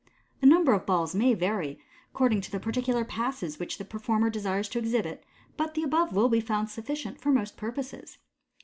The number of balls may vary according to the particular " passes n which the performer desires to exhibit, but the above will be found sufficient for most purposes.